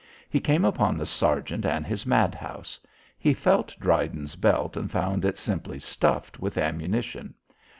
He came upon the sergeant and his madhouse. He felt Dryden's belt and found it simply stuffed with ammunition.